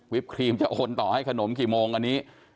ปครีมจะโอนต่อให้ขนมกี่โมงอันนี้